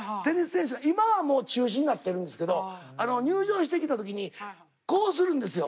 今はもう中止になってるんですけど入場してきた時にこうするんですよ